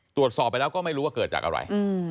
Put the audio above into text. ตรวจสอบไปแล้วก็ไม่รู้ว่าเกิดจากอะไร